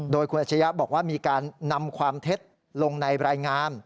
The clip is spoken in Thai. โดยคุณอัชยะบอกว่ามีการนำความเท็จลงในรายงาน